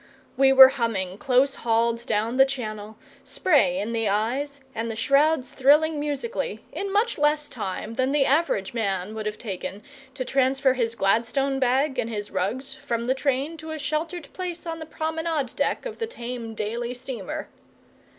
We were humming, close hauled, down the Channel, spray in the eyes and the shrouds thrilling musically, in much less time than the average man would have taken to transfer his Gladstone bag and his rugs from the train to a sheltered place on the promenade deck of the tame daily steamer.